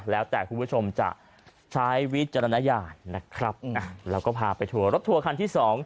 แล้วแต่คุณผู้ชมจะใช้วิจารณญาณนะครับแล้วก็พาไปทัวร์รถทัวร์คันที่สอง